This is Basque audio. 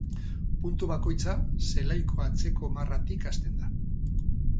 Puntu bakoitza zelaiko atzeko marratik hasten da.